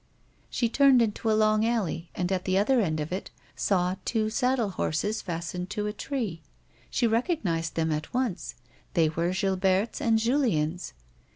She turned into a long alley and, at the other end of it, saw two saddle horses fastened to a tree ; she recog nised them at once ; they were Gilberte's and Julien's.